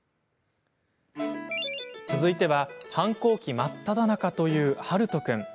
続いては反抗期真っただ中という、はると君。